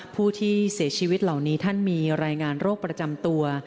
ผู้ที่เสียชีวิตเหล่านี้ท่านมีรายงานโรคประจำตัว